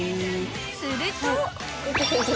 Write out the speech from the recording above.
［すると］